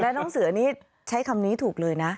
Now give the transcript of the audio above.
แล้วน้องเสือนี่ใช้คำนี้ถูกเลยนะ